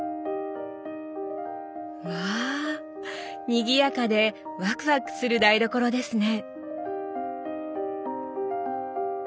うわにぎやかでワクワクする台所ですね！